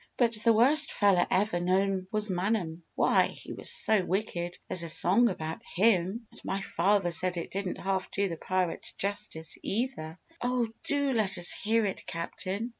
But the worst feller ever known was Manum. Why, he was so wicked there's a song about him! And my father said it didn't half do the pirate justice, either!" "Oh, do let us hear it, Captain!"